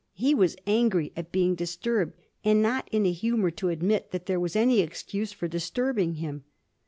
He was angry at being disturbed, and not in a humour to admit that there was any excuse for disturbing him.